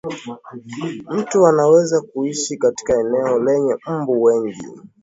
mtu anaweza kuishi katika eneo lenye mbu wengi